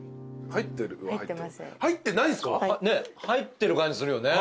入ってる感じするよね。